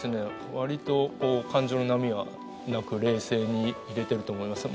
割と感情の波はなく冷静にいれてると思いました。